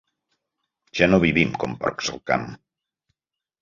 Ja no vivim com porcs al camp.